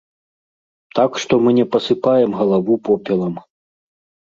Так што мы не пасыпаем галаву попелам.